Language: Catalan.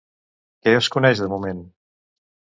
Què es coneix de moment?